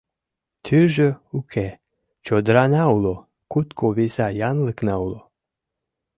Тӱржӧ уке — чодырана уло, кутко виса янлыкна уло